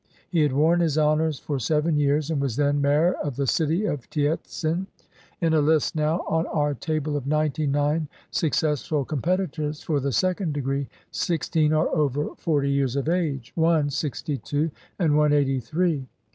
He had worn his honors for seven years, and was then mayor of the city of Tientsin. In a list now on our table of ninety nine successful com petitors for the second degree, sixteen are over forty years of age, one sixty two, and one eighty three.